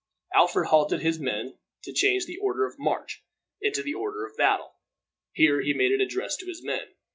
Alfred halted his men to change the order of march into the order of battle. Here he made an address to his men.